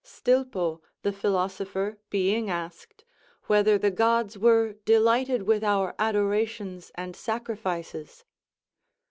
Stilpo, the philosopher, being asked, "Whether the gods were delighted with our adorations and sacrifices?"